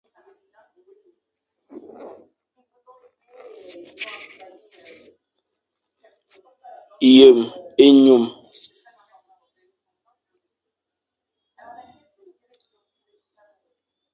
Yem-enyum.